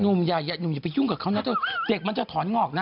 นุ่มอย่าไปยุ่งกับเขานะเจ็กมันจะถอนงอกนะ